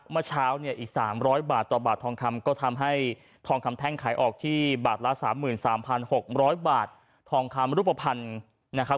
เมื่อเช้าเนี่ยอีก๓๐๐บาทต่อบาททองคำก็ทำให้ทองคำแท่งขายออกที่บาทละ๓๓๖๐๐บาททองคำรูปภัณฑ์นะครับ